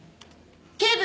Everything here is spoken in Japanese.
警部！